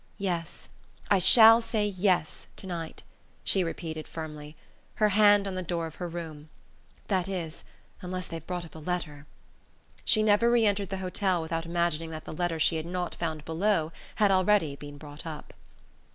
"Yes, I shall say 'yes' to night," she repeated firmly, her hand on the door of her room. "That is, unless, they've brought up a letter...." She never re entered the hotel without imagining that the letter she had not found below had already been brought up.